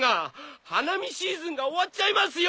花見シーズンが終わっちゃいますよ。